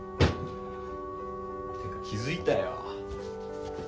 てか気付いたよ。